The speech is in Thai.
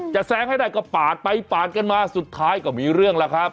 แซงให้ได้ก็ปาดไปปาดกันมาสุดท้ายก็มีเรื่องแล้วครับ